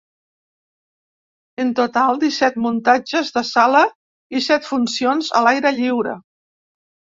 En total, disset muntatges de sala i set funcions a l’aire lliure.